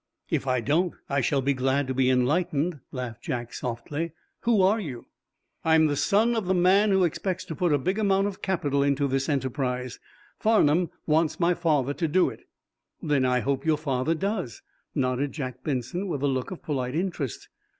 "If I don't, I shall be glad to be enlightened," laughed Jack, softly. "Who are you?" "I'm the son of the man who expects to put a big amount of capital into this enterprise. Farnum wants my father to do it." "Then I hope your father does," nodded Jack Benson, with a look of polite interest.